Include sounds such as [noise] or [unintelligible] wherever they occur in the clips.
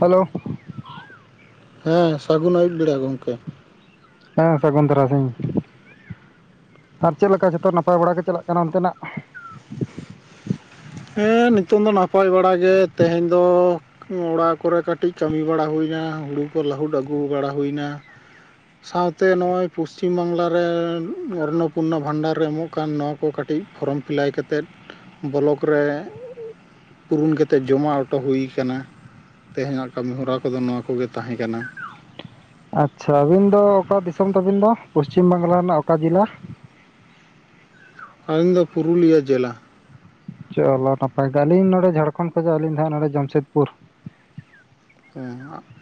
Hello. ᱦᱮᱸ ᱥᱟᱹᱜᱩᱱ ᱟᱹᱭᱩᱵ ᱵᱮᱲᱟ ᱜᱚᱢᱠᱮ᱾ ᱦᱮᱸ ᱥᱟᱹᱜᱩᱱ ᱛᱨᱟᱥᱤᱝ। ᱟᱨ ᱪᱮᱫ ᱞᱮᱠᱟ ᱡᱚᱛᱚ ᱱᱟᱯᱟᱭ ᱵᱟᱲᱟ ᱜᱮ ᱪᱟᱞᱟᱜ ᱠᱟᱱᱟ ᱚᱱᱛᱮᱱᱟᱜ? ᱦᱮᱸ ᱱᱤᱛᱚᱝ ᱫᱚ ᱱᱟᱯᱟᱭ ᱵᱟᱲᱟ ᱜᱮ ᱛᱮᱦᱮᱧ ᱫᱚ᱾ ᱚᱲᱟ ᱠᱚᱨᱮ ᱠᱟᱹᱴᱤᱡ ᱠᱟᱹᱢᱤ ᱵᱟᱲᱟ ᱦᱩᱭᱮᱱᱟ ᱦᱩᱲᱩ ᱠᱚ ᱞᱟᱹᱦᱩᱫ ᱟᱹᱜᱩ ᱵᱟᱲᱟ ᱦᱩᱭᱱᱟ ᱾ ᱥᱟᱶᱛᱮ ᱱᱚᱜᱼᱚᱭ ᱯᱚᱥᱪᱤᱢ ᱵᱟᱝᱜᱞᱟ ᱨᱮ ᱚᱨᱱᱚᱯᱩᱨᱱᱟ ᱵᱷᱟᱱᱰᱟᱨ ᱨᱮ ᱮᱢᱚᱜ ᱠᱟᱱ ᱱᱚ ᱠᱚ ᱠᱟᱹᱴᱤᱡ ᱯᱷᱨᱚᱢ ᱯᱷᱤᱞᱟᱭ ᱠᱟᱛᱮᱫ ᱵᱚᱞᱚᱠ ᱨᱮ ᱯᱩᱨᱩᱱ ᱠᱟᱛᱮᱜ ᱡᱚᱢᱟ ᱚᱴᱚ ᱦᱩᱭ ᱠᱟᱱᱟ᱾ ᱛᱮᱦᱮᱧᱟᱜ ᱠᱟᱹᱢᱤ ᱦᱚᱨᱟ ᱠᱚᱫᱚ ᱱᱚᱣᱟ ᱠᱚᱜᱮ ᱛᱟᱦᱮᱸ ᱠᱟᱱᱟ ᱾ ᱟᱪᱪᱷᱟ ᱟᱹᱵᱤᱱ ᱫᱚ ᱚᱠᱟ ᱫᱤᱥᱚᱢ ᱛᱟᱹᱵᱤᱱ ᱫᱚ ᱯᱚᱥᱪᱤᱢ ᱵᱟᱝᱜᱞᱟ ᱨᱮᱱᱟᱜ ᱚᱠᱟ ᱡᱤᱞᱞᱟ? ᱟᱞᱤᱧ ᱫᱚ ᱯᱩᱨᱩᱞᱤᱭᱟᱹ ᱡᱮᱞᱟ ᱾ ᱪᱚᱞᱚ ᱱᱟᱯᱟᱭ ᱜᱮ, ᱟᱹᱞᱤᱧ ᱱᱚᱸᱰᱮ ᱡᱷᱟᱲᱠᱷᱚᱸᱰ ᱠᱷᱚᱡᱟᱜ ᱟᱹᱞᱤᱧ ᱫᱚ ᱦᱟᱸᱜ ᱱᱚᱸᱰᱮ ᱡᱟᱢᱥᱮᱫᱽᱯᱩᱨ ᱾ ᱦᱚᱸ ᱦᱟᱜ ᱾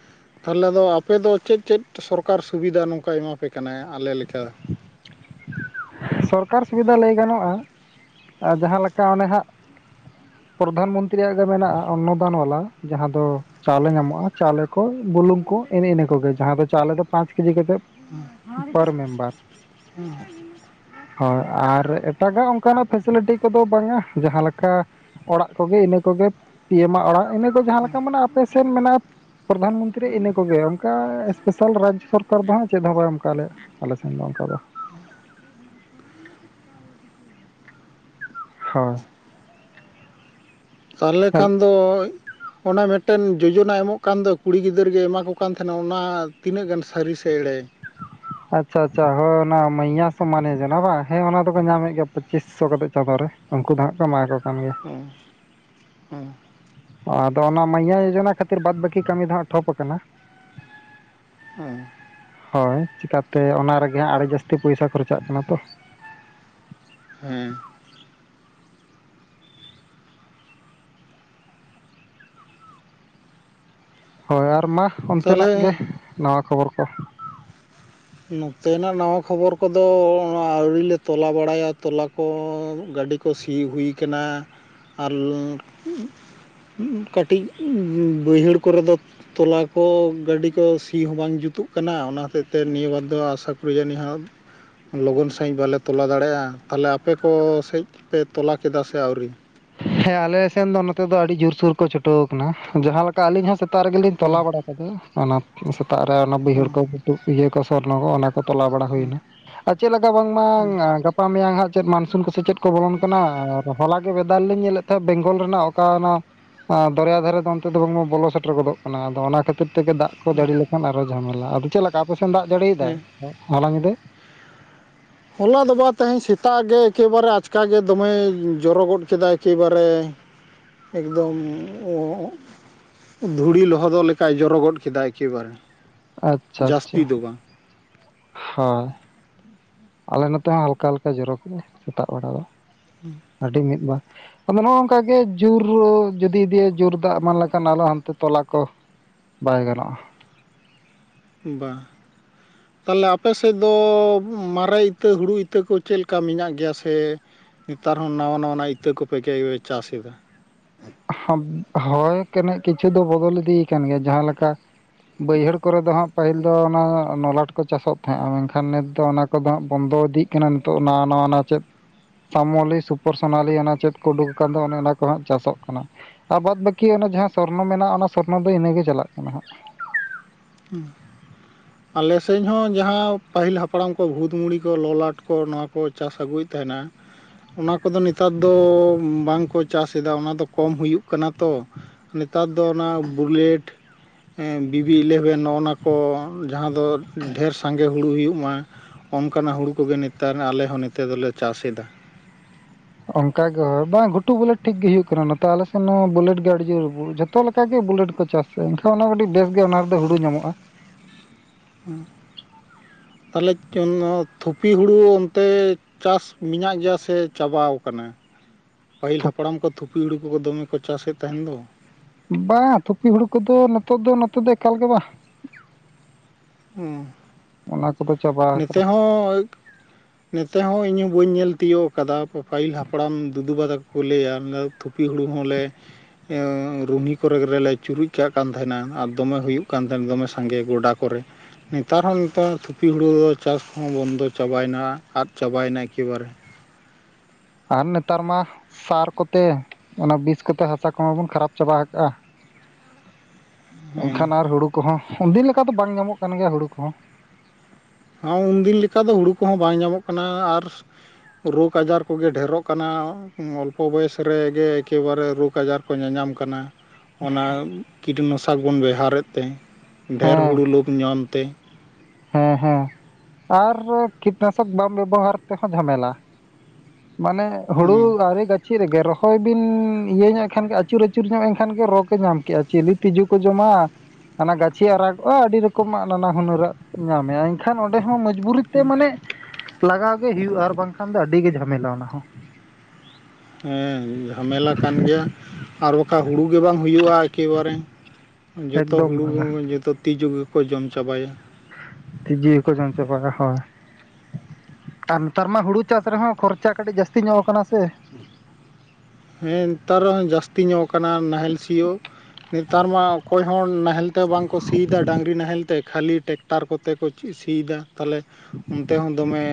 ᱛᱟᱦᱮᱞᱮ ᱫᱚ ᱟᱯᱮᱫᱚ ᱪᱮᱫ ᱪᱮᱫ ᱥᱚᱨᱠᱟᱨ ᱥᱩᱵᱤᱫᱟ ᱱᱚᱝᱠᱟᱭ ᱮᱢᱟᱯᱮ ᱠᱟᱱᱟᱭ ᱟᱞᱮ ᱞᱮᱠᱟ? ᱥᱚᱨᱠᱟᱨ ᱥᱩᱵᱤᱫᱟ ᱞᱟᱹᱭ ᱜᱟᱱᱚᱜᱼᱟ, ᱟᱨ ᱡᱟᱦᱟᱸᱞᱮᱠᱟ ᱚᱱᱮ ᱦᱟᱸᱜ ᱯᱨᱚᱫᱷᱟᱱ ᱢᱚᱱᱛᱨᱤᱭᱟᱜ ᱜᱮ ᱢᱮᱱᱟᱜᱼᱟ, ᱚᱱᱚᱫᱟᱱ ᱵᱟᱞᱟ ᱡᱟᱦᱟᱸ ᱫᱚᱼᱼ ᱪᱟᱣᱞᱮ ᱧᱟᱢᱚᱜᱼᱟ ᱪᱟᱣᱞᱮ ᱠᱚ ᱵᱩᱞᱩᱝ ᱠᱚ ᱮᱱᱮ ᱤᱱᱟᱹ ᱠᱚᱜᱮ, ᱡᱟᱦᱟᱸ ᱫᱚ ᱪᱟᱣᱞᱮ ᱫᱚ ᱯᱟᱸᱪ ᱠᱮᱡᱤ ᱠᱟᱛᱮᱜ ᱦᱚᱲ ᱜᱮ ᱦᱚᱭ ᱟᱨ ᱮᱴᱟᱜᱟᱜ ᱚᱱᱠᱟᱱᱟᱜ ᱯᱷᱮᱥᱮᱞᱤᱴᱤ ᱠᱚᱫᱚ ᱵᱟᱝ ᱟ ᱡᱟᱦᱟᱸ ᱞᱮᱠᱟ ᱚᱲᱟᱜ ᱠᱚᱜᱮ ᱤᱱᱟᱹ ᱠᱚᱜᱮ ᱯᱤᱭᱮᱢᱟᱜ ᱚᱲᱟᱜ ᱤᱱᱟᱹ ᱠᱚ ᱡᱟᱦᱟᱸ ᱞᱮᱠᱟ ᱢᱮᱱᱟᱜ ᱟᱯᱮ ᱥᱮᱱ ᱢᱮᱱᱟᱜ ᱯᱚᱨᱫᱷᱟᱱ ᱢᱚᱱᱛᱨᱤ ᱤᱱᱟᱹ ᱠᱚᱜᱮ ᱚᱱᱠᱟ ᱮᱥᱯᱮᱥᱟᱞ ᱨᱟᱡᱽ ᱥᱚᱨᱠᱟᱨ ᱫᱚ ᱦᱟᱸᱜ ᱪᱮᱫ ᱦᱚᱸ ᱵᱟᱭ ᱮᱢ ᱠᱟᱜ ᱞᱮᱭᱟ ᱾ ᱟᱞᱮ ᱥᱮᱱ ᱫᱚ ᱚᱱᱠᱟ ᱫᱚ ᱦᱚᱭ ᱛᱟᱦᱮᱞᱮ ᱠᱷᱟᱱ ᱫᱚ ᱚᱱᱟ ᱢᱤᱫᱴᱟᱝ ᱡᱚᱡᱚᱱᱟ ᱮᱢᱚᱜ ᱠᱟᱱ ᱫᱚ, ᱠᱩᱲᱤ ᱜᱤᱫᱟᱹᱨ ᱜᱮ ᱮᱢᱟ ᱠᱚ ᱠᱟᱱ ᱛᱮᱦᱮᱱᱟ ᱚᱱᱟ ᱛᱤᱱᱟᱹᱜ ᱜᱟᱱ ᱥᱟᱹᱨᱤ ᱥᱮ ᱮᱲᱮ? ᱟᱪᱪᱷᱟ ᱟᱪᱪᱷᱟ ᱦᱚᱭ ᱚᱱᱟ ᱢᱟᱸᱭᱭᱟ ᱥᱚᱢᱢᱟᱱᱮ ᱡᱚᱡᱱᱟ ᱵᱟᱝ, ᱦᱮᱸ ᱚᱱᱟ ᱫᱚᱠᱚ ᱧᱟᱢᱮᱜ ᱜᱮ ᱯᱩᱪᱤᱥᱥᱚ ᱠᱟᱛᱮᱜ ᱪᱟᱸᱫᱚ ᱨᱮ, ᱩᱱᱠᱩ ᱫᱚ ᱦᱟᱸᱜ ᱠᱚ ᱮᱢᱟ ᱠᱚ ᱠᱟᱱ ᱜᱮᱭᱟ ᱾ ᱚᱸ ᱟᱫᱚ ᱚᱱᱟ ᱢᱟᱸᱭᱭᱟ ᱡᱚᱡᱚᱱᱟ ᱠᱷᱟᱹᱛᱤᱨ ᱵᱟᱫ ᱵᱟᱹᱠᱤ ᱠᱟᱹᱢᱤ ᱫᱚ ᱦᱟᱸᱜ ᱴᱷᱚᱯ ᱠᱟᱱᱟ ᱾ ᱮᱦᱸ ᱦᱚᱭ ᱪᱤᱠᱟᱛᱮ ᱚᱱᱟ ᱨᱮᱜᱮ ᱦᱟᱸᱜ ᱟᱹᱰᱤ ᱡᱟᱹᱥᱛᱤ ᱯᱚᱭᱥᱟ ᱠᱷᱚᱨᱪᱟᱜ ᱠᱟᱱᱟ ᱛᱚ ᱾ ᱦᱮᱸ ᱦᱚᱭ ᱟᱨ ᱢᱟ, ᱚᱱᱛᱮᱱᱟᱜ ᱜᱮ ᱛᱟᱦᱚᱞᱮ ᱱᱟᱣᱟ ᱠᱷᱚᱵᱚᱨ ᱠᱚ? ᱱᱚᱛᱮᱱᱟᱜ ᱱᱟᱣᱟ ᱠᱷᱚᱵᱚᱨ ᱠᱚᱫᱚ, ᱚᱱᱮ ᱟᱹᱣᱨᱤ ᱞᱮ ᱛᱚᱞᱟ ᱵᱟᱲᱟᱭᱟ ᱛᱚᱞᱟ ᱠᱚ ᱜᱟᱹᱰᱤ ᱠᱚ ᱥᱤ ᱦᱩᱭ ᱠᱟᱱᱟ ᱟᱨ ᱦᱩᱸ, ᱠᱟᱹᱴᱤᱡ ᱵᱟᱹᱭᱦᱟᱹᱲ ᱠᱚᱨᱮ ᱫᱚ ᱛᱚᱞᱟ ᱠᱚ ᱜᱟᱹᱰᱤ ᱠᱚ ᱥᱤ ᱦᱚᱸ ᱵᱟᱝ ᱡᱩᱛᱩᱜ ᱠᱟᱱᱟ ᱚᱱᱟ ᱦᱚᱛᱮᱫ ᱛᱮ ᱱᱤᱭᱟᱹ ᱵᱟᱨ ᱫᱚ ᱟᱥᱟ ᱠᱚᱨᱮ ᱡᱟᱹᱱᱤ ᱦᱟᱸᱜ ᱞᱚᱜᱚᱱ ᱥᱟᱺᱦᱤᱡ ᱵᱟᱞᱮ ᱛᱚᱞᱟ ᱫᱟᱲᱮᱜᱼᱟ, ᱛᱟᱦᱚᱞᱮ ᱟᱯᱮ ᱠᱚ ᱥᱮᱡ ᱯᱮ ᱛᱚᱞᱟ ᱠᱮᱫᱟ ᱥᱮ ᱟᱹᱣᱨᱤ? ᱦᱮᱸ ᱟᱞᱮ ᱥᱮᱱ ᱫᱚ ᱱᱚᱛᱮ ᱫᱚ ᱟᱹᱰᱤ ᱡᱳᱨᱥᱳᱨ ᱠᱚ ᱪᱷᱩᱴᱟᱹᱣ ᱠᱟᱱᱟ, ᱡᱟᱦᱟᱸ ᱞᱮᱠᱟ ᱟᱹᱞᱤᱧ ᱦᱚᱸ ᱥᱮᱛᱟᱜ ᱨᱮᱜᱮ ᱞᱤᱧ ᱦᱮᱸ ᱛᱚᱞᱟ ᱵᱟᱲᱟ ᱟᱫᱚ ᱚᱱᱟ ᱥᱮᱛᱟᱜ ᱨᱮ ᱜᱮ ᱚᱱᱟ ᱦᱮᱸ ᱵᱟᱹᱭᱦᱟᱹᱲ ᱠᱚ ᱵᱩᱴᱩᱵ ᱤᱭᱟᱹ ᱠᱚ ᱥᱚᱨᱱᱚ ᱠᱚ ᱚᱱᱟ ᱛᱚᱞᱟ ᱵᱟᱲᱟ ᱦᱩᱭᱱᱟ, ᱟᱨ ᱪᱮᱜ ᱞᱮᱠᱟ ᱵᱟᱝᱢᱟ ᱦᱮᱸ ᱯᱟ ᱢᱮᱭᱟᱝ ᱦᱟᱸᱜ ᱪᱮᱫ ᱢᱟᱱᱥᱩᱱ ᱠᱚ ᱥᱮ ᱪᱮᱫ ᱠᱚ ᱵᱚᱞᱚᱱ ᱠᱟᱱᱟ ᱟᱨ ᱦᱚᱞᱟ ᱜᱮ ᱵᱮᱫᱟᱞ ᱞᱤ ᱧᱮᱞᱮᱜ ᱛᱟᱦᱮᱸᱜ ᱵᱮᱝᱜᱚᱞ ᱨᱮᱱᱟᱜ ᱚᱠᱟ ᱚᱱᱟ ᱟᱸ ᱫᱚᱨᱭᱟ ᱫᱷᱟᱨᱮ ᱫᱚ ᱚᱱᱛᱮ ᱫᱚ ᱵᱟᱝᱢᱟ ᱵᱚᱞᱚ ᱥᱮᱴᱮᱨ ᱜᱚᱫᱚᱜ ᱠᱟᱱᱟ, ᱟᱫᱚ ᱚᱱᱟ ᱠᱷᱟᱹᱛᱤᱨ ᱛᱮᱜᱮ ᱫᱟᱜ ᱠᱚ ᱡᱟᱹᱲᱤ ᱞᱮᱠᱷᱟᱱ ᱟᱨᱚ ᱡᱷᱟᱢᱮᱞᱟ ᱟᱫᱚ ᱪᱮᱫ ᱞᱮᱠᱟ ᱟᱯᱮ ᱥᱮᱱ ᱫᱟᱜ ᱡᱟᱹᱲᱤᱭ ᱫᱟᱭ ᱦᱮᱸ ᱦᱚᱞᱟ ᱧᱤᱫᱟᱹ? ᱦᱚᱞᱟ ᱫᱚ ᱵᱟᱝ ᱛᱮᱦᱮᱧ ᱥᱮᱛᱟᱜ ᱜᱮ ᱮᱠᱮᱵᱟᱨᱮ ᱟᱪᱠᱟ ᱜᱮ ᱫᱚᱢᱮ ᱡᱚᱨᱚ ᱜᱚᱫ ᱠᱮᱫᱟ ᱮᱠᱮᱵᱟᱨᱮ᱾ ᱮᱠᱫᱚᱢ ᱚᱸ ᱫᱷᱩᱲᱤ ᱞᱚᱦᱚᱫᱚᱜ ᱞᱮᱠᱟᱭ ᱡᱚᱨᱚ ᱜᱚᱫ ᱠᱮᱫᱟᱭ ᱮᱠᱮᱵᱟᱨᱮ᱾ ᱟᱪᱪᱷᱟ ᱟᱪᱪᱷᱟ ᱡᱟᱹᱥᱛᱤ ᱫᱚ ᱦᱳᱭ ᱟᱞᱮ ᱱᱚᱛᱮ ᱦᱚᱸ ᱦᱟᱞᱠᱟ ᱦᱟᱞᱠᱟ ᱡᱚᱨᱚ ᱠᱮᱫᱟᱭ ᱥᱮᱛᱟᱜ ᱵᱮᱲᱟ ᱫᱚ᱾ ᱦᱩᱸ ᱟᱹᱰᱤ ᱢᱤᱫ ᱵᱟ ᱟᱫᱚ ᱱᱚᱜᱼᱚ ᱱᱚᱝᱠᱟ ᱜᱮ ᱡᱩᱨ ᱡᱩᱫᱤ ᱤᱫᱤᱭᱟᱭ ᱡᱳᱨ ᱫᱟᱜ ᱮᱢᱟᱱ ᱞᱮᱠᱷᱟᱱ ᱟᱨᱚ ᱦᱟᱱᱛᱮ ᱛᱚᱞᱟ ᱠᱚ ᱵᱟᱭ ᱜᱟᱱᱚᱜᱼᱟ ᱵᱟᱝ [inaudible] ᱛᱟᱦᱚᱞᱮ ᱟᱯᱮ ᱥᱮᱫ ᱫᱚ ᱢᱟᱨᱮ ᱤᱛᱟᱹ ᱦᱩᱲᱩ ᱤᱛᱟᱹ ᱠᱚ ᱪᱮᱫ ᱞᱮᱠᱟ ᱢᱮᱱᱟᱜ ᱜᱮᱭᱟ ᱥᱮ ᱱᱮᱛᱟᱨ ᱦᱚᱸ ᱱᱟᱣᱟ ᱱᱟᱣᱟᱱᱟᱜ ᱤᱛᱟᱹ ᱠᱚᱯᱮ ᱪᱟᱥ ᱮᱫᱟ ᱦᱚᱭ ᱠᱟᱹᱱᱤᱡ ᱠᱤᱪᱷᱩ ᱫᱚ ᱵᱚᱫᱚᱞ ᱤᱫᱤᱭ ᱟᱠᱟᱱ ᱜᱮᱭᱟ ᱡᱟᱦᱟᱸᱞᱮᱠᱟ ᱵᱟᱹᱭᱦᱟᱹᱲ ᱠᱚᱨᱮ ᱫᱚ ᱦᱟᱸᱜ ᱯᱟᱹᱦᱤᱞ ᱫᱚ ᱚᱱᱟ ᱱᱚᱞᱟᱴ ᱠᱚ ᱪᱟᱥᱚᱜ ᱛᱟᱦᱮᱸᱜᱼᱟ ᱢᱮᱱᱠᱷᱟᱱ ᱱᱤᱛ ᱫᱚ ᱚᱱᱟ ᱠᱚᱫᱚ ᱦᱟᱸᱜ ᱵᱚᱱᱫᱚ ᱤᱫᱤᱜ ᱠᱟᱱᱟ ᱱᱤᱛᱚᱜ ᱱᱟᱣᱟ ᱱᱟᱣᱟ ᱱᱟ ᱪᱮᱫ ᱥᱟᱢᱚᱞᱤ ᱥᱩᱯᱩᱨ ᱥᱳᱱᱟᱞᱤ ᱚᱱᱟ ᱪᱮᱫ ᱠᱚ ᱩᱰᱩᱠ ᱟᱠᱟᱱ ᱫᱚ ᱚᱱᱮ ᱚᱱᱟ ᱠᱚ ᱦᱟᱸᱜ ᱪᱟᱥᱚᱜ ᱠᱟᱱᱟ ᱟᱨ ᱵᱟᱫ ᱵᱟᱹᱠᱤ ᱚᱱᱮ ᱡᱟᱦᱟᱸ ᱥᱚᱨᱱᱚ ᱢᱮᱱᱟᱜᱼᱟ ᱚᱱᱟ ᱥᱚᱨᱱᱚ ᱫᱚ ᱤᱱᱟᱹᱜᱮ ᱪᱟᱞᱟᱜ ᱠᱟᱱᱟ ᱦᱟᱸᱜ᱾ ᱦᱮᱸ ᱟᱞᱮ ᱥᱮᱫ ᱦᱚᱸ ᱡᱟᱦᱟᱸ ᱯᱟᱹᱦᱤᱞ ᱦᱟᱯᱲᱟᱢ ᱠᱚ ᱵᱷᱩᱛ ᱢᱩᱲᱤ ᱠᱚ ᱞᱚᱞᱟᱴ ᱠᱚ ᱱᱚᱣᱟ ᱠᱚ ᱠᱚ ᱪᱟᱥ ᱟᱹᱜᱩᱭᱮᱫ ᱛᱟᱦᱮᱸᱱᱟ ᱚᱱᱟ ᱠᱚᱫᱚ ᱱᱮᱛᱟᱨ ᱫᱚ ᱵᱟᱝᱠᱚ ᱪᱟᱥ ᱮᱫᱟ ᱚᱱᱟ ᱫᱚ ᱠᱚᱢ ᱦᱩᱭᱩᱜ ᱠᱟᱱᱟ ᱛᱚ ᱱᱮᱛᱟᱨ ᱫᱚ ᱚᱱᱟ ᱵᱩᱞᱮᱴ ᱵᱤᱵᱤ ᱤᱞᱮᱯᱷ ᱵᱮ ᱱᱚᱜᱼᱚ ᱱᱟ ᱠᱚ ᱡᱟᱦᱟᱸ ᱫᱚ ᱰᱷᱮᱨ ᱥᱟᱸᱜᱮ ᱦᱩᱲᱩ ᱦᱩᱭᱩᱜ ᱢᱟ ᱚᱱᱠᱟᱱᱟᱜ ᱦᱩᱲᱩ ᱠᱚ ᱜᱮ ᱱᱮᱛᱟᱨ ᱟᱞᱮ ᱦᱚᱸ ᱱᱮᱛᱮ ᱫᱚᱞᱮ ᱪᱟᱥ ᱮᱫᱟ ᱚᱱᱠᱟ ᱜᱮ ᱦᱳᱭ ᱵᱟᱝ ᱜᱷᱩᱴᱩ ᱵᱩᱞᱮᱴ ᱴᱷᱤᱠ ᱜᱮ ᱦᱩᱭᱩᱜ ᱠᱟᱱᱟ ᱱᱚᱛᱮ ᱟᱞᱮ ᱥᱮᱱ ᱵᱩᱞᱮᱴ ᱜᱮ ᱟᱹᱰᱤ ᱡᱳᱨ ᱦᱩ ᱡᱷᱚ ᱛᱚ ᱞᱮᱠᱟ ᱜᱮ ᱵᱩᱞᱟᱹᱴ ᱠᱚ ᱪᱟᱥᱟ ᱮᱱᱠᱷᱟᱱ ᱚᱱᱟ ᱠᱟᱹᱴᱤᱡ ᱵᱮᱥ ᱜᱮ ᱚᱱᱟ ᱨᱮᱫᱚ ᱦᱩᱲᱩ ᱧᱟᱢᱚᱜᱼᱟ ᱛᱟᱦᱚᱞᱮ ᱛᱷᱩᱯᱤ ᱦᱩᱲᱩ ᱚᱱᱛᱮ ᱪᱟᱥ ᱢᱮᱱᱟᱜ ᱜᱮᱭᱟ ᱥᱮ ᱪᱟᱵᱟᱣ ᱠᱟᱱᱟ [inaudible] ᱯᱟᱹᱦᱤᱞ ᱦᱟᱯᱲᱟᱢ ᱠᱚ ᱛᱷᱩᱯᱤ ᱦᱩᱲᱩ ᱠᱚ ᱫᱚᱢᱮ ᱠᱚ ᱪᱟᱥ ᱮᱫ ᱛᱟᱦᱮᱸᱱ ᱫᱚ ᱵᱟᱝ ᱛᱷᱩᱯᱤ ᱦᱩᱲᱩ ᱠᱚᱫᱚ ᱱᱤᱛᱚᱜ ᱫᱚ ᱱᱚᱛᱮ ᱫᱚ ᱮᱠᱟᱞ ᱜᱮ ᱵᱟᱝ ᱦᱮᱸ ᱚᱱᱟ ᱠᱚᱫᱚ ᱪᱟᱵᱟᱜ ᱱᱤᱛᱮ ᱦᱚᱸ ᱱᱛᱮ ᱦᱚᱸ ᱤᱧ ᱦᱚᱸ ᱵᱟᱹᱧ ᱧᱮᱞ ᱛᱤᱭᱳᱜ ᱟᱠᱟᱫᱟ ᱯᱟᱹᱦᱤᱞ ᱦᱟᱯᱲᱟᱢ ᱫᱩᱫᱩ ᱵᱟ ᱛᱟᱠᱚ ᱠᱚ ᱞᱟᱹᱭᱟ ᱛᱷᱩᱯᱤ ᱦᱩᱲᱩ ᱦᱚᱸᱞᱮ ᱮ ᱨᱩᱦᱤᱱᱤ ᱠᱚᱨᱮ ᱨᱮᱞᱮ ᱪᱩᱨᱩᱡ ᱠᱟᱜ ᱠᱟᱱ ᱛᱟᱦᱮᱱᱟ ᱟᱨ ᱫᱚᱢᱮ ᱦᱩᱭᱩᱜ ᱠᱟᱱ ᱛᱟᱦᱮᱱᱟ ᱫᱚᱢᱮ ᱥᱟᱸᱜᱮ ᱜᱚᱰᱟ ᱠᱚᱨᱮ ᱱᱮᱛᱟᱨ ᱦᱚᱸ ᱱᱮᱛᱟᱨ ᱛᱷᱩᱯᱤ ᱦᱩᱲᱩ ᱫᱚ ᱪᱟᱥ ᱦᱚᱸ ᱵᱚᱱᱫᱚ ᱪᱟᱵᱟᱭᱮᱱᱟ ᱟᱫ ᱪᱟᱵᱟᱭᱮᱱᱟ ᱮᱠᱮ ᱵᱟᱨᱮ ᱟᱨ ᱱᱮᱛᱟᱨ ᱢᱟ ᱥᱟᱨ ᱠᱚᱛᱮ ᱚᱱᱟ ᱵᱤᱥ ᱠᱚᱛᱮ ᱦᱟᱥᱟ ᱠᱚᱢᱟ ᱵᱚᱱ ᱠᱷᱟᱨᱟᱯ ᱪᱟᱵᱟ ᱟᱠᱟᱜᱼᱟ ᱦᱮᱸ ᱮᱱᱠᱷᱟᱱ ᱟᱨ ᱦᱩᱲᱩ ᱠᱚᱦᱚᱸ ᱩᱱᱫᱤᱱ ᱞᱮᱠᱟ ᱫᱚ ᱵᱟᱝ ᱧᱟᱢᱚᱜ ᱠᱟᱱ ᱜᱮᱭᱟ ᱦᱩᱲᱩ ᱠᱚᱦᱚᱸ ᱦᱚᱸ ᱩᱱᱫᱤᱱ ᱞᱮᱠᱟ ᱫᱚ ᱦᱩᱲᱩ ᱠᱚᱦᱚᱸ ᱵᱟᱝ ᱧᱟᱢᱚᱜ ᱠᱟᱱᱟ ᱟᱨ ᱨᱳᱜᱽ ᱟᱡᱟᱨ ᱠᱚ ᱜᱮ ᱰᱷᱮᱨᱚᱜ ᱠᱟᱱᱟ ᱚᱞᱯᱚ ᱵᱚᱭᱮᱥ ᱨᱮᱜᱮ ᱮᱠᱮᱵᱟᱨᱮ ᱨᱳᱜᱽ ᱟᱡᱟᱨ ᱠᱚ ᱧᱟᱧᱟᱢ ᱠᱟᱱᱟ ᱚᱱᱟ ᱠᱤᱴᱱᱟᱥᱚᱠ ᱵᱚᱱ ᱵᱮᱣᱦᱟᱨᱮᱫ ᱛᱮ ᱰᱷᱮᱨ ᱦᱮᱸ ᱦᱩᱲᱩ ᱞᱳᱵᱽ ᱧᱟᱢ ᱛᱮ ᱦᱮᱸ ᱦᱮᱸ ᱟᱨ ᱠᱤᱴᱱᱟᱥᱚᱠ ᱵᱟᱢ ᱵᱮᱵᱚᱦᱟᱨ ᱛᱮᱦᱚᱸ ᱡᱷᱟᱢᱮᱞᱟ ᱢᱟᱱᱮ ᱦᱩᱲᱩ ᱟ. ᱣᱨᱤ ᱜᱟ- ᱪᱮᱫ ᱨᱮᱜᱮ ᱨᱚᱦᱚᱭ ᱵᱤᱱ ᱤᱭᱟᱹ ᱧᱚᱜ ᱮ ᱠᱷᱟᱱᱜᱮ ᱟᱹᱪᱩᱨ ᱟᱹᱪᱩᱨ ᱧᱚᱜ ᱮᱱ ᱠᱷᱟᱱ ᱜᱮ ᱨᱚ ᱠᱚ ᱧᱟᱢ ᱠᱮᱫᱼᱟ ᱪᱮᱞᱮ ᱛᱤᱡᱩ ᱠᱚ ᱡᱚᱢᱟ ᱦᱟᱱᱟ ᱜᱟᱹᱪᱷᱤ ᱟᱨᱟᱜᱚᱜᱼᱟ ᱟᱹᱰᱤ ᱨᱚᱠᱚᱢᱟᱜ ᱱᱟᱱᱟ ᱦᱩᱱᱟᱹᱨᱟᱜ ᱧᱟᱢᱮᱫᱼᱟ ᱮᱱᱠᱷᱟᱱ ᱚᱸᱰᱮ ᱦᱚᱸ ᱢᱚᱡᱽᱵᱩᱨᱤ ᱛᱮ ᱢᱟᱱᱮ ᱞᱟᱜᱟᱣ ᱜᱮ ᱦᱩᱭᱩᱜᱼᱟ ᱟᱨ ᱵᱟᱝᱠᱷᱟᱱ ᱫᱚ ᱟᱹᱰᱤ ᱜᱮ ᱡᱷᱟᱢᱮᱞᱟ ᱚᱱᱟ ᱦᱚᱸ ᱦᱮᱸ ᱡᱷᱟᱢᱮᱞᱟ ᱠᱟᱱ ᱜᱮᱭᱟ ᱟᱨ ᱵᱟᱠᱷᱟᱱ ᱦᱩᱲᱩ ᱜᱮ ᱵᱟᱝ ᱦᱩᱭᱩᱜᱼᱟ ᱮᱠᱮᱵᱟᱨᱮ ᱡᱚᱛᱚ ᱮᱠᱫᱚᱢ ᱦᱩᱲᱩ ᱵᱟᱝᱟ ᱡᱚᱛᱚ ᱛᱤᱡᱩ ᱜᱮᱠᱚ ᱡᱚᱢ ᱪᱟᱵᱟᱭᱟ ᱛᱤᱡᱩ ᱜᱮᱠᱚ ᱡᱚᱢ ᱪᱟᱵᱟᱭᱟ ᱦᱚᱭ ᱟᱨ ᱱᱮᱛᱟᱨ ᱢᱟ ᱦᱩᱲᱩ ᱪᱟᱥ ᱨᱮᱦᱚᱸ ᱠᱷᱚᱨᱪᱟ ᱠᱟᱹᱴᱤᱡ ᱡᱟᱹᱥᱛᱤ ᱧᱚᱜ ᱠᱟᱱᱟ ᱥᱮ ᱦᱮᱸ ᱱᱮᱛᱟᱨ ᱡᱟᱹᱥᱛᱤ ᱾ ᱧᱚᱜ ᱠᱟᱱᱟ ᱱᱟᱦᱮᱞ ᱥᱤᱭᱳᱜ ᱱᱮᱛᱟᱨ ᱢᱟ ᱚᱠᱚᱭ ᱦᱚᱸ ᱱᱟᱦᱮᱞ ᱛᱮ ᱵᱟᱝ ᱠᱚ ᱥᱤᱭᱮᱫᱟ ᱰᱟᱝᱨᱤ ᱱᱟᱦᱮᱞ ᱛᱮ ᱠᱷᱟᱹᱞᱤ ᱴᱮᱠ ᱴᱟᱨ ᱠᱚᱛᱮ ᱠᱚ ᱪᱤ ᱥᱤᱭᱮᱫᱟ ᱛᱟᱦᱚᱞᱮ ᱚᱱᱛᱮ ᱦᱚᱸ ᱫᱚᱢᱮ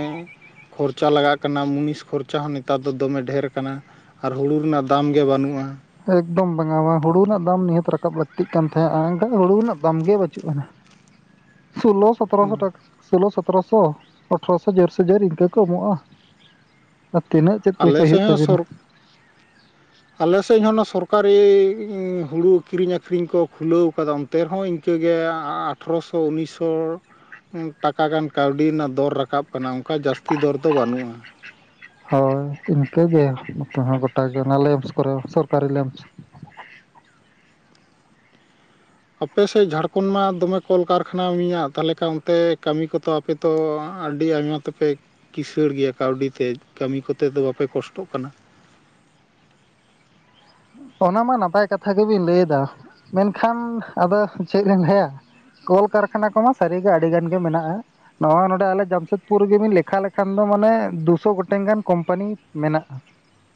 ᱠᱷᱚᱨᱪᱟ ᱞᱟᱜᱟᱜ ᱠᱟᱱᱟ ᱢᱩᱱᱤᱥ ᱠᱷᱚᱨᱪᱟ ᱦᱚᱸ ᱱᱮᱛᱟᱨ ᱫᱚᱢᱮ ᱰᱷᱮᱨ ᱠᱟᱱᱟ ᱾ ᱟᱨ ᱦᱩᱲᱩ ᱨᱮᱱᱟᱜ ᱫᱟᱢ ᱜᱮ ᱵᱟᱹᱱᱩᱜᱼᱟ ᱾ ᱮᱠᱫᱚᱢ ᱵᱟᱝ ᱟ ᱵᱟ ᱦᱩᱲᱩ ᱨᱮᱱᱟᱜ ᱫᱟᱢ ᱱᱤᱦᱟᱹᱛ ᱨᱟᱠᱟᱵ ᱞᱟᱹᱠᱛᱤᱜ ᱠᱟᱱ ᱛᱟᱦᱮᱸᱫ ᱟᱨ ᱮᱱᱠᱷᱟᱱ ᱦᱩᱲᱩ ᱨᱮᱱᱟᱜ ᱫᱟᱢ ᱜᱮ ᱵᱟᱹᱪᱩᱜ ᱟ ᱾ ᱥᱳᱞᱚ ᱥᱚ ᱥᱚᱛᱮᱨᱚᱥᱚ ᱴᱟᱠᱟ ᱥᱳᱞᱳ ᱥᱚᱛᱮᱨᱚᱥᱚ ᱟᱴᱷᱨᱚᱥᱚ ᱡᱳᱨᱥᱮ ᱡᱳᱨ ᱤᱱᱠᱟᱹ ᱠᱚ ᱮᱢᱚᱜᱼᱟ ᱾ ᱛᱤᱱᱟᱹᱜ ᱪᱮᱫ ᱯᱚᱭᱥᱟ ᱟᱞᱮ ᱥᱮᱫ ᱦᱩᱭᱩᱜ ᱦᱚᱸ ᱛᱟᱵᱤᱱᱟ ᱥᱚᱨ ᱾ ᱟᱞᱮ ᱥᱮᱫ ᱦᱚᱸ ᱚᱱᱟ ᱥᱚᱨᱠᱟᱨᱤ ᱦᱩᱲᱩ ᱠᱤᱨᱤᱧ ᱟᱠᱠᱷᱨᱤᱧ ᱠᱚ ᱠᱷᱩᱞᱟᱹᱣ ᱠᱟᱫᱟ ᱾ ᱛᱮ ᱨᱮᱦᱚᱸ ᱤᱱᱠᱟᱹᱜᱮ ᱟᱴᱷᱨᱚᱥᱚ ᱩᱱᱤᱥᱚ ᱴᱟᱠᱟ ᱜᱟᱱ ᱠᱟᱹᱣᱰᱤ ᱨᱮᱱᱟᱜ ᱫᱚᱨ ᱨᱟᱠᱟᱵ ᱠᱟᱱᱟ ᱚᱱᱠᱟ ᱡᱟᱹᱥᱛᱤ ᱫᱚᱨ ᱫᱚ ᱵᱟᱹᱱᱩᱜᱼᱟ ᱦᱳᱭ ᱤᱱᱠᱟᱹᱜᱮ ᱱᱚᱛᱮ ᱦᱚᱸ ᱜᱚᱴᱟᱜᱮ ᱚᱱᱟ ᱞᱮᱢᱥ ᱠᱚᱨᱮ ᱥᱚᱨᱠᱟᱨᱤ ᱞᱮᱢᱥ ᱟᱯᱮᱥᱮᱫ ᱡᱷᱟᱲᱠᱷᱚᱸᱰ ᱢᱟ ᱫᱚᱢᱮ ᱠᱚᱞᱠᱟᱨᱠᱷᱟᱱᱟ ᱢᱤᱧᱟᱜᱟ ᱛᱟᱦᱚᱞᱮ ᱠᱷᱟᱱ ᱚᱱᱛᱮ ᱠᱟᱹᱢᱤ ᱠᱚᱛᱚ ᱟᱯᱮ ᱛᱚ ᱟᱹᱰᱤ ᱟᱭᱢᱟ ᱛᱮᱯᱮ ᱠᱤᱥᱟᱹᱲ ᱜᱮᱭᱟ ᱠᱟᱹᱣᱰᱤ ᱛᱮ ᱠᱟᱹᱢᱤ ᱠᱚᱛᱮ ᱫᱚ ᱵᱟᱯᱮ ᱠᱚᱥᱴᱚᱜ ᱠᱟᱱᱟ ᱚᱱᱟ ᱢᱟ ᱱᱟᱯᱟᱭ ᱠᱟᱛᱷᱟ ᱜᱮᱵᱤᱱ ᱞᱟᱹᱭ ᱫᱟ ᱢᱮᱱᱠᱷᱟᱱ ᱟᱫᱚ ᱪᱮᱫ ᱞᱤᱧ ᱞᱟᱹᱭᱟ ᱾ ᱠᱚᱞᱠᱟᱨᱠᱷᱟᱱᱟ ᱠᱚᱢᱟ ᱥᱟᱹᱨᱤᱜᱮ ᱟᱹᱰᱤ ᱜᱟᱱ ᱜᱮ ᱢᱮᱱᱟᱜᱼᱟ ᱾ ᱱᱚᱣᱟ ᱱᱚᱰᱮ ᱟᱞᱮ ᱡᱟᱢᱥᱮᱫᱽᱯᱩᱨ ᱨᱮᱜᱮᱵᱤᱱ ᱞᱮᱠᱷᱟ ᱞᱮᱠᱷᱟᱱ ᱫᱚ ᱢᱟᱱᱮ ᱫᱩᱥᱚ ᱜᱚᱴᱟᱝ ᱜᱟᱱ ᱠᱳᱢᱯᱟᱱᱤ ᱢᱮᱱᱟᱜᱼᱟ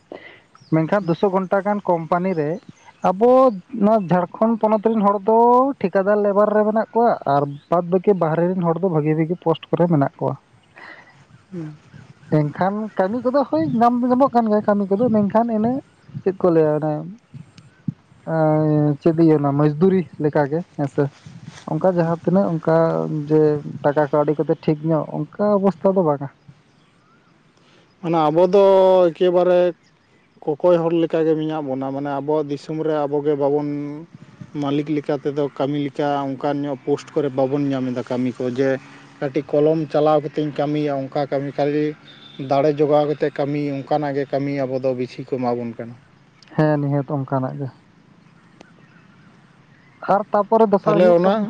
᱾ ᱢᱮᱱᱠᱷᱟᱱ ᱫᱩᱥᱚ ᱜᱚᱴᱟᱝ ᱜᱟᱱ ᱠᱳᱢᱯᱟᱱᱤ ᱨᱮ ᱟᱵᱚ ᱱᱚᱣᱟ ᱡᱷᱟᱲᱠᱷᱚᱸᱰ ᱯᱚᱱᱚᱛ ᱨᱮᱱ ᱦᱚᱲ ᱫᱚ ᱴᱷᱤᱠᱟᱹᱫᱟᱨ ᱞᱮᱵᱟᱨ ᱨᱮ ᱢᱮᱱᱟᱜ ᱠᱚᱣᱟ ᱟᱨ ᱵᱟᱫ ᱵᱟᱹᱠᱤ ᱵᱟᱦᱨᱮ ᱨᱮᱱ ᱦᱚᱲ ᱫᱚ ᱵᱷᱟᱜᱤ ᱵᱷᱟᱜᱤ ᱯᱳᱥᱴ ᱠᱚᱨᱮ ᱢᱮᱱᱟᱜ ᱠᱚᱣᱟ ᱾ ᱦᱩᱸ ᱮᱱᱠᱷᱟᱱ ᱠᱟᱹᱢᱤ ᱠᱚᱫᱚ ᱦᱳᱭ ᱧᱟᱢ ᱫᱚ ᱧᱟᱢᱚᱜ ᱠᱟᱱ ᱜᱮᱭᱟ ᱠᱟᱹᱢᱤ ᱠᱚᱫᱚ ᱢᱮᱱᱠᱷᱟᱱ ᱤᱱᱟᱹ ᱠᱚ ᱞᱟ. ᱭᱟ ᱚᱱᱮ ᱮ ᱪᱮᱫ ᱤᱧ ᱞᱟ. ᱭᱟᱢᱟ ᱢᱚᱡᱽᱫᱩᱨᱤ ᱞᱮᱠᱟᱜ ᱜᱮ ᱦᱮᱸᱥᱮ ᱚᱱᱠᱟ ᱡᱟᱦᱟᱸ ᱛᱤᱱᱟᱹᱜ ᱚᱱᱠᱟ ᱡᱮ ᱴᱟᱠᱟ ᱠᱟᱹᱣᱰᱤ ᱠᱚᱛᱮ ᱴᱷᱤᱠ ᱧᱚᱜ ᱚᱱᱠᱟ ᱚᱵᱚᱥᱛᱷᱟ ᱫᱚ ᱵᱟᱝ ᱟ ᱾ ᱢᱟᱱᱮ ᱟᱵᱚ ᱫᱚ ᱮᱠᱮᱵᱟᱨᱮ ᱠᱚᱠᱚᱭ ᱦᱚᱲ ᱞᱮᱠᱟᱜᱮ ᱢᱮᱱᱟᱜ ᱵᱚᱱᱟ ᱢᱟᱱᱮ ᱟᱵᱚᱣᱟᱜ ᱫᱤᱥᱚᱢ ᱨᱮ ᱟᱵᱚᱜᱮ ᱵᱟᱵᱚᱱ ᱢᱟᱹᱞᱤᱠ ᱞᱮᱠᱟ ᱛᱮᱫᱚ ᱠᱟᱹᱢᱤ ᱞᱮᱠᱟ ᱚᱱᱠᱟ ᱧᱚᱜ ᱯᱳᱥᱴ ᱠᱚᱨᱮ ᱵᱟᱵᱚᱱ ᱧᱟᱢ ᱮᱫᱟ ᱠᱟᱹᱢᱤ ᱠᱚ ᱡᱮ ᱠᱟᱹᱴᱤᱡ ᱠᱚᱞᱚᱢ ᱪᱟᱞᱟᱣ ᱠᱟᱛᱮᱧ ᱠᱟᱹᱢᱤᱭᱟ ᱚᱱᱠᱟ ᱠᱟᱹᱢᱤ [unintelligible] ᱫᱟᱲᱮ ᱡᱚᱜᱟᱣ ᱠᱟᱛᱮ ᱠᱟᱹᱢᱤ ᱚᱱᱠᱟᱱᱟᱜ ᱜᱮ ᱠᱟᱹᱢᱤ ᱟᱵᱚ ᱫᱚ ᱵᱤᱥᱤ ᱠᱚ ᱮᱢᱟᱵᱚᱱ ᱠᱟᱱᱟ ᱾ ᱦᱮᱸ ᱱᱤᱦᱟᱹᱛ ᱚᱱᱠᱟᱱᱟᱜ ᱜᱮ ᱾ ᱟᱨ ᱛᱟᱯᱚᱨᱮ ᱫᱚᱥᱟᱨ ᱛᱟᱦᱚᱞᱮ ᱦᱩᱭᱩᱜ ᱚᱱᱟ ᱠᱟᱱᱟ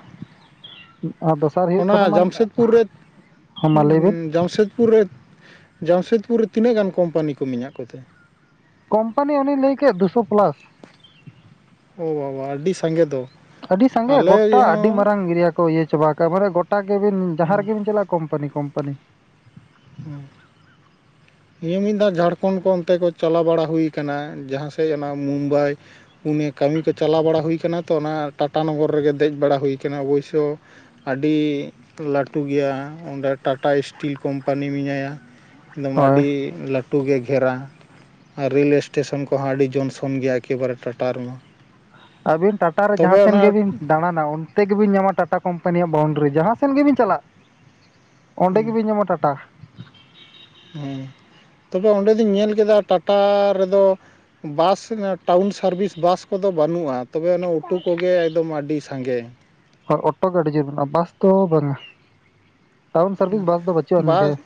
ᱟᱨ ᱫᱚᱥᱟᱨ ᱦᱩᱭᱩᱜ ᱚᱱᱟ ᱠᱟᱱᱟ ᱢᱟ ᱡᱟᱢᱥᱮᱫᱽᱯᱩᱨ ᱦᱟᱸ ᱢᱟ ᱞᱟᱹᱭᱵᱮᱱ ᱯᱩᱨ ᱨᱮ ᱡᱟᱢᱥᱮᱫᱽᱯᱩᱨ ᱨᱮ ᱛᱤᱱᱟᱹᱜ ᱜᱟᱱ ᱠᱳᱢᱯᱟᱱᱤ ᱠᱚ ᱢᱮᱱᱟᱜ ᱠᱚᱛᱮ ᱠᱳᱢᱯᱟᱱᱤ ᱚᱱᱤᱧ ᱞᱟᱹᱭ ᱠᱮᱫ ᱫᱩᱥᱚ ᱯᱞᱟᱥ ᱚ ᱵᱟᱵᱟ ᱟᱹᱰᱤ ᱥᱟᱸᱜᱮ ᱫᱚ ᱟᱹᱰᱤ ᱥᱟᱸᱜᱮ ᱟᱞᱮ ᱜᱚᱴᱟ ᱟᱹᱰᱤ ᱢᱟᱨᱟᱝ ᱮᱨᱤᱭᱟ ᱠᱚ ᱤᱭᱟᱹ ᱪᱟᱵᱟ ᱟᱠᱟᱜᱼᱟ ᱢᱟᱱᱮ ᱜᱚᱴᱟᱜ ᱜᱮᱵᱤᱱ ᱡᱟᱦᱟᱸ ᱨᱮᱜᱮᱵᱤᱱ ᱪᱟᱞᱟᱜᱼᱟ ᱾ ᱠᱳᱢᱯᱟᱱᱤ ᱠᱳᱢᱯᱟᱱᱤ ᱦᱩᱸ ᱱᱤᱭᱟᱹ ᱢᱤᱫ ᱫᱷᱟᱣ ᱡᱷᱟᱲᱠᱷᱚᱸᱰ ᱠᱚ ᱚᱱᱛᱮ ᱠᱚ ᱪᱟᱞᱟᱣ ᱵᱟᱲᱟ ᱦᱩᱭ ᱠᱟᱱᱟ ᱡᱟᱦᱟᱸ ᱥᱮᱡ ᱚᱱᱟ ᱢᱩᱢᱵᱟᱭ ᱯᱩᱱᱮ ᱠᱟᱹᱢᱤ ᱠᱚ ᱪᱟᱞᱟᱣ ᱵᱟᱲᱟ ᱦᱩᱭ ᱠᱟᱱᱟ ᱛᱚ ᱚᱱᱟ ᱴᱟᱴᱟ ᱱᱚᱜᱚᱨ ᱨᱮᱜᱮ ᱫᱮᱡᱽ ᱵᱟᱲᱟ ᱦᱩᱭ ᱠᱟᱱᱟ ᱚᱵᱚᱥᱥᱳᱭ ᱟᱹᱰᱤ ᱞᱟᱹᱴᱩ ᱜᱮᱭᱟ ᱚᱸᱰᱮ ᱴᱟᱴᱟ ᱤᱥᱴᱤᱞ ᱠᱳᱢᱯᱟᱱᱤ ᱠᱳᱢᱯᱟᱱᱤ ᱢᱮᱱᱟᱭᱟ ᱮᱠᱫᱚᱢ ᱦᱳᱭ ᱟᱹᱰᱤ ᱞᱟᱹᱴᱩ ᱜᱷᱮᱨᱟ ᱟᱨ ᱨᱮᱹᱞ ᱮᱥᱴᱮᱥᱚᱱ ᱠᱚᱦᱚᱸ ᱟᱹᱰᱤ ᱡᱚᱱᱥᱚᱱ ᱜᱮᱭᱟ ᱮᱠᱮᱵᱟᱨᱮ ᱴᱟᱴᱟ ᱨᱮᱢᱟ ᱾ ᱟᱹᱵᱤᱱ ᱴᱟᱴᱟᱨᱮ ᱡᱟᱦᱟᱸ ᱥᱮᱱ ᱜᱮᱵᱤᱱ ᱫᱟᱬᱟᱱᱟ ᱩᱱ ᱠᱟᱛᱮ ᱜᱮᱵᱮᱱ ᱧᱟᱢᱟ ᱴᱟᱴᱟ ᱠᱳᱢᱯᱟᱱᱤᱭᱟᱜ ᱵᱟᱣᱩᱱᱰᱨᱤ ᱡᱟᱦᱟᱸ ᱥᱮᱫ ᱜᱮᱵᱤᱱ ᱪᱟᱞᱟᱜ ᱚᱸᱰᱮ ᱜᱮᱵᱮᱱ ᱧᱟᱢᱟ ᱴᱟᱴᱟ ᱦᱩᱸ ᱛᱚᱵᱮ ᱚᱸᱰᱮ ᱫᱩᱧ ᱧᱮᱞ ᱠᱮᱫᱟ ᱴᱟᱴᱟ ᱨᱮᱫᱚ ᱵᱟᱥ ᱴᱟᱣᱩᱱ ᱥᱟᱨᱵᱷᱤᱥ ᱵᱟᱥ ᱠᱚᱫᱚ ᱵᱟᱹᱱᱩᱜᱼᱟ ᱾ ᱛᱚᱵᱮ ᱚᱱᱟ ᱩᱴᱩ ᱠᱚᱜᱮ ᱮᱠᱫᱚᱢ ᱟᱹᱰᱤ ᱥᱟᱸᱜᱮ ᱾ ᱦᱳᱭ ᱚᱴᱚ ᱜᱮ ᱟᱹᱰᱤ ᱡᱳᱨ ᱜᱮ, ᱵᱟᱥ ᱫᱚ ᱵᱟᱝᱟ ᱴᱟᱣᱩᱱ ᱥᱟᱨᱵᱷᱤᱥ ᱵᱟᱥ ᱫᱚ ᱵᱟᱹᱪᱩᱜᱼᱟᱱ ᱵᱟᱥ ᱜᱮᱭᱟ᱾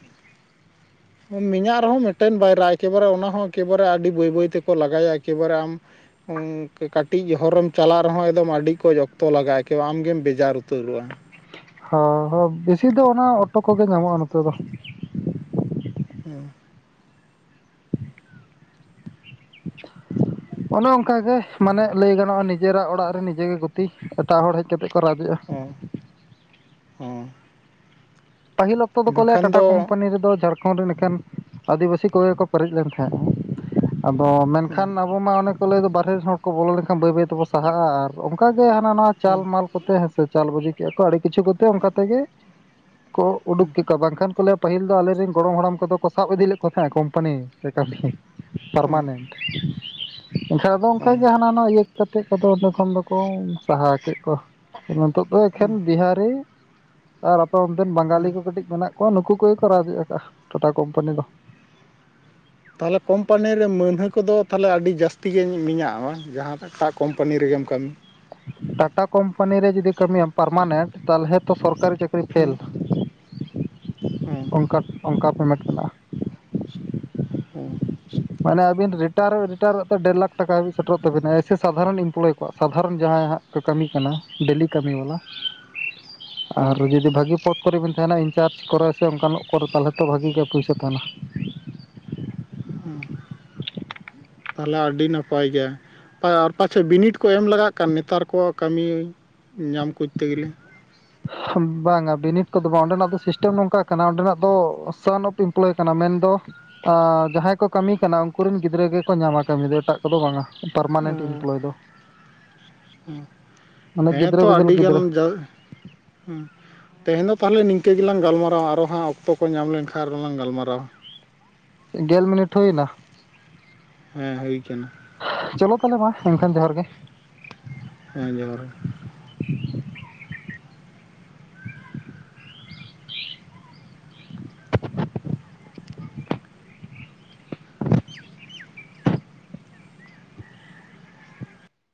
[inaudible] ᱢᱮᱱᱟᱜ ᱨᱮᱦᱚᱸ ᱢᱤᱫᱴᱮᱱ ᱵᱟᱭᱨᱟ ᱮᱠᱮᱵᱟᱨᱮ ᱚᱱᱟᱦᱚᱸ ᱮᱠᱮᱵᱟᱨᱮ ᱟᱹᱰᱤ ᱵᱟᱹᱭ ᱵᱟᱹᱭ ᱛᱮᱠᱚ ᱞᱟᱜᱟᱭᱟ ᱮᱠᱮᱵᱟᱨᱮ ᱟᱢ ᱠᱟᱹᱴᱤᱡᱽ ᱦᱚᱨᱮᱢ ᱪᱟᱞᱟᱜ ᱨᱮᱦᱚᱸ ᱮᱠᱫᱚᱢ ᱟᱹᱰᱤ ᱠᱚ ᱡᱚᱠᱛᱚ ᱞᱟᱜᱟᱭ ᱟᱢᱜᱮᱢ ᱵᱮᱡᱟᱨ ᱩᱛᱟᱹᱨᱚᱜᱼᱟ ᱾ ᱦ ᱦᱚ ᱵᱮᱥᱤ ᱫᱚ ᱚᱱᱟ ᱚᱴᱚ ᱠᱚᱜᱮ ᱧᱟᱢᱚᱜᱼᱟ ᱱᱚᱛᱮ ᱫᱚ ᱾ ᱦᱩᱸ [inaudible] ᱚᱱᱮ ᱚᱱᱠᱟᱜᱮ ᱢᱟᱱᱮ ᱞᱟᱹᱭ ᱜᱟᱱᱚᱜᱼᱟ ᱱᱤᱡᱮᱨᱟᱜ ᱚᱲᱟᱜ ᱨᱮ ᱱᱤᱡᱮ ᱜᱩᱛᱤ ᱮᱴᱟᱜ ᱦᱚᱲ ᱦᱮᱡᱽ ᱠᱟᱛᱮᱫ ᱠᱚ ᱨᱟᱡᱽ ᱮᱜᱼᱟ᱾ ᱦᱩᱸ ᱦᱩᱸ ᱯᱟᱹᱦᱤᱞ ᱚᱠᱛᱚ ᱫᱚ ᱠᱚ ᱞᱟᱹᱭᱟ ᱴᱟᱴᱟ ᱫᱚ ᱠᱳᱢᱯᱟᱱᱤ ᱨᱮᱫᱚ ᱡᱷᱟᱲᱰ ᱠᱷᱚᱱ ᱮᱠᱟᱱ ᱟᱹᱫᱤᱵᱟᱹᱥᱤ ᱠᱚᱜᱮ ᱠᱚ ᱯᱮᱨᱮᱡ ᱞᱮᱱ ᱛᱟᱦᱮᱸᱼᱟ ᱟᱫᱚ ᱦᱮᱸ ᱢᱮᱱᱠᱷᱟᱱ ᱟᱵᱚ ᱢᱟ ᱚᱱᱮ ᱠᱚ ᱞᱟᱹᱭ ᱫᱚ ᱵᱟᱨᱦᱮ ᱨᱮᱱ ᱦᱚᱲ ᱠᱚ ᱵᱚᱞᱚ ᱞᱮᱱᱠᱷᱟᱱ ᱵᱟᱹᱭ ᱵᱟᱹᱭ ᱛᱮᱵᱚᱱ ᱥᱟᱦᱟᱜᱼᱟ ᱟᱨ ᱚᱱᱠᱟᱜ ᱜᱮ ᱦᱟᱱᱟ ᱱᱟᱣᱟ ᱪᱟᱞ ᱦᱮᱸ ᱢᱟᱞ ᱠᱚᱛᱮ ᱦᱮᱸᱥᱮ ᱪᱟᱞ ᱵᱟᱹᱡᱤ ᱠᱮᱜᱼᱟ ᱠᱚ ᱟᱹᱰᱤ ᱠᱤᱪᱷᱩ ᱠᱚᱛᱮ ᱚᱱᱠᱟ ᱛᱮᱜᱮ ᱠᱚ ᱩᱰᱩᱠ ᱠᱮ ᱠᱚᱣᱟ ᱵᱟᱝᱠᱷᱟᱱ ᱠᱚ- ᱞᱟᱹᱭᱼᱟ ᱯᱟᱹᱦᱤᱞ ᱫᱚ ᱟᱞᱮᱨᱤᱱ ᱜᱚᱲᱚᱢ ᱦᱟᱲᱟᱢ ᱠᱚᱫᱚ ᱠᱚ ᱥᱟᱵ ᱤᱫᱤᱞ ᱞᱮᱫ ᱠᱚ ᱛᱟᱦᱮᱸᱱᱟ ᱠᱳᱢᱯᱟᱱᱤ ᱠᱟᱹᱢᱤ ᱦᱮᱸ ᱯᱟᱨᱢᱟᱱᱮᱱᱴ ᱾ ᱮᱱᱠᱷᱟᱱ ᱟᱫᱚ ᱦᱮᱸ ᱚᱱᱠᱟᱜᱮ ᱦᱟᱱᱟ ᱱᱚᱣᱟ ᱤᱭᱟᱹ ᱠᱟᱛᱮᱫ ᱠᱚᱫᱚ ᱚᱸᱰᱮ ᱠᱷᱚᱱᱚᱱ ᱫᱚᱠᱚ ᱥᱟᱦᱟ ᱠᱮᱫ ᱠᱚᱣᱟ᱾ ᱱᱤᱛᱚᱜ ᱫᱚ ᱮᱠᱷᱮᱱ ᱦᱮᱸ ᱵᱤᱦᱟᱨᱤ ᱟᱨ ᱟᱯᱮ ᱚᱱᱛᱮᱱ ᱵᱟᱝᱜᱟᱞᱤ ᱠᱚ ᱠᱟᱹᱴᱤᱡ ᱢᱮᱱᱟᱜ ᱠᱚ ᱠᱚ ᱱᱩᱠᱩ ᱠᱚᱜᱮ ᱨᱟᱡᱽ ᱮᱭᱟ ᱟᱠᱟᱜᱼᱟ ᱴᱟᱴᱟ ᱠᱳᱢᱯᱟᱱᱤ ᱫᱚ ᱛᱟᱦᱚᱞᱮ ᱠᱳᱢᱯᱟᱱᱤ ᱨᱮ ᱢᱟᱹᱱᱦᱟᱹ ᱠᱚᱫᱚ ᱛᱟᱦᱚᱞᱮ ᱟᱹᱰᱤ ᱡᱟᱹᱥᱛᱤ ᱜᱮ ᱢᱮᱱᱟᱜᱼᱟ ᱢᱟ ᱡᱟᱦᱟᱸ ᱮᱴᱟᱜ ᱠᱳᱢᱯᱟᱱᱤ ᱨᱮᱜᱮᱢ ᱠᱟᱹᱢᱤ ᱾ ᱴᱟᱴᱟ ᱠᱳᱢᱯᱟᱱᱤ ᱨᱮ ᱡᱩᱫᱤ ᱠᱟᱹᱢᱤᱭᱟᱢ ᱯᱟᱨᱢᱟᱱᱮᱱᱴ ᱛᱟᱦᱚᱞᱮ ᱛᱚ ᱥᱚᱨᱠᱟᱨᱤ ᱪᱟᱹᱠᱨᱤ ᱯᱷᱮᱞ, ᱦᱮᱸ ᱦᱮᱸ ᱦᱮᱸ ᱚᱱᱠᱟ ᱚᱱᱠᱟ ᱯᱮᱢᱮᱱᱴ ᱢᱮᱱᱟᱜᱼᱟ ᱾ ᱦᱩᱸ ᱢᱟᱱᱮ ᱟᱵᱤᱱ ᱨᱤᱴᱟᱨ ᱨᱤᱴᱟᱨᱚᱜ ᱛᱮ ᱰᱮᱲ ᱞᱟᱠᱷ ᱴᱟᱠᱟ ᱦᱟᱹᱵᱤᱡᱽ ᱥᱮᱴᱮᱨ ᱛᱟᱵᱤᱱᱟ ᱮᱭᱥᱮ ᱥᱟᱫᱷᱟᱨᱚᱱ ᱮᱢᱯᱞᱚᱭ ᱠᱚᱣᱟᱜ ᱥᱟᱫᱷᱟᱨᱚᱱ ᱡᱟᱦᱟᱸ ᱦᱟᱸᱜ ᱠᱚ ᱠᱟᱹᱢᱤ ᱠᱟᱱᱟ ᱰᱮᱞᱤ ᱠᱟᱹᱢᱤ ᱵᱟᱞᱟ ᱟᱨ ᱦᱮᱸ ᱡᱩᱫᱤ ᱵᱷᱟᱹᱜᱤ ᱯᱚᱫ ᱠᱚᱨᱮᱵᱤᱱ ᱛᱟᱦᱮᱱᱟ ᱤᱱᱪᱟᱨᱡᱽ ᱠᱚᱨᱮ ᱥᱮ ᱚᱱᱠᱟᱱᱟ ᱠᱚᱨᱮ ᱛᱟᱦᱚᱞᱮ ᱛᱚ ᱵᱷᱟᱜᱤ ᱜᱮ ᱯᱩᱭᱥᱟᱹ ᱛᱟᱦᱮᱱᱟ ᱚᱸ ᱛᱟᱦᱞᱮ ᱟᱹᱰᱤ ᱱᱟᱯᱟᱭ ᱜᱮᱭᱟ ᱾ ᱟᱨ ᱯᱟᱪᱮᱫ ᱵᱤᱱᱤᱰ ᱠᱚ ᱮᱢ ᱞᱟᱜᱟᱜ ᱠᱟᱱᱟ ᱱᱮᱛᱟᱨ ᱠᱚ ᱠᱟᱹᱢᱤ ᱧᱟᱢ ᱠᱚᱡᱛᱮ ᱜᱮᱞᱮ ᱵᱟᱝᱟ ᱵᱤᱱᱤᱰ ᱠᱚᱫᱚ ᱵᱟᱝ ᱚᱸᱰᱮᱱᱟᱜ ᱫᱚ ᱥᱤᱥᱴᱮᱢ ᱱᱚᱝᱠᱟ ᱠᱟᱱᱟ ᱾ ᱚᱸᱰᱮᱱᱟᱜ ᱫᱚ ᱥᱟᱱ ᱚᱯᱷ ᱮᱢᱯᱞᱚᱭ ᱠᱟᱱᱟ ᱢᱮᱱᱫᱚ ᱡᱟᱦᱟᱸᱭ ᱠᱚ ᱠᱟᱹᱢᱤ ᱠᱟᱱᱟ ᱩᱱᱠ ᱨᱮᱱ ᱜᱤᱫᱽᱨᱟᱹ ᱜᱮᱠᱚ ᱧᱟᱢᱟ ᱠᱟᱹᱢᱤ ᱫᱚ ᱾ ᱮᱴᱟᱜ ᱠᱚᱫᱚ ᱵᱟᱝᱼᱟ ᱚ ᱯᱟᱨᱢᱟᱱᱮᱱᱴ ᱮᱢᱯᱞᱚᱭ ᱫᱚ ᱢᱟᱱᱮ ᱦᱮᱸ ᱛᱚ ᱜᱤᱫᱽᱨᱟᱹ ᱵᱤᱫᱟᱹᱞ ᱟᱹᱰᱤ ᱜᱟᱱ ᱜᱤᱫᱽᱨᱟᱹ ᱡᱟ ᱦᱸ ᱛᱮᱦᱮᱧ ᱫᱚ ᱛᱟᱦᱞᱮ ᱱᱤᱝᱠᱟᱹ ᱜᱮᱞᱟᱝ ᱜᱟᱞ ᱢᱟᱨᱟᱣᱟ ᱟᱨᱚ ᱦᱟᱸᱜ ᱚᱠᱛᱚ ᱠᱚ ᱧᱟᱢ ᱞᱮᱱᱠᱷᱟᱱ ᱟᱨᱦᱳᱸ ᱞᱟᱝ ᱜᱟᱞᱢᱟᱨᱟᱣᱟ ᱾ ᱜᱮᱞ ᱢᱤᱱᱤᱴ ᱦᱩᱭᱱᱟ ᱾ ᱦᱮᱸ ᱦᱩᱭ ᱠᱟᱱᱟ ᱾ ᱪᱚᱞᱚ ᱛᱟᱦᱚᱞᱮ ᱢᱟ ᱮᱱᱠᱷᱟᱱ ᱡᱚᱦᱟᱨ ᱜᱮ ᱾ ᱦᱮᱸ ᱡᱚᱦᱟᱨ ᱜᱮ ᱾ [inaudible]